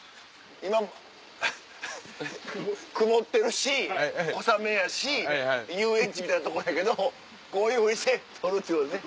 今曇ってるし小雨やし遊園地みたいなとこやけどこういうふうにして捕るっていうことね。